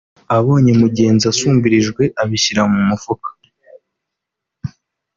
abonye mugenzi asumbirijwe abishyira mu mufuka